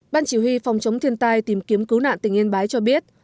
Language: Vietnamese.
ban chỉ huy phòng chống thiên tai tìm kiếm cứu nạn tỉnh yên bái cho biết